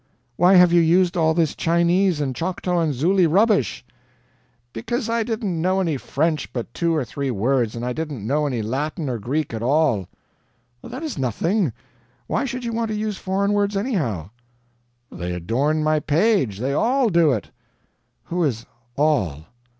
Why have you used all this Chinese and Choctaw and Zulu rubbish?" "Because I didn't know any French but two or three words, and I didn't know any Latin or Greek at all." "That is nothing. Why should you want to use foreign words, anyhow?" "They adorn my page. They all do it." "Who is 'all'?"